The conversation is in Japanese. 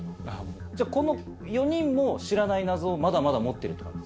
じゃあこの４人も知らない謎をまだまだ持ってるって感じですか。